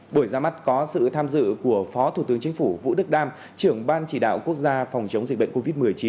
buổi ra mắt có sự tham dự của phó thủ tướng chính phủ vũ đức đam trưởng ban chỉ đạo quốc gia phòng chống dịch bệnh covid một mươi chín